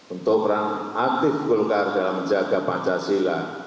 untuk perang aktif golkar dalam menjaga perkembangan